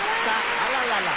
あららら。